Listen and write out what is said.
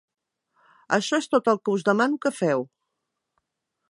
Això és tot el que us demano que feu.